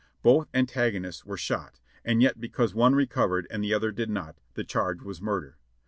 Both an tagonists were shot, and yet because one recovered and the other did not, the charge was murder.